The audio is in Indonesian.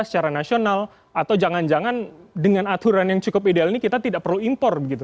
secara nasional atau jangan jangan dengan aturan yang cukup ideal ini kita tidak perlu impor begitu